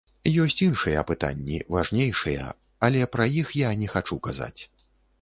Ёсць іншыя пытанні, важнейшыя, але пра іх я не хачу казаць.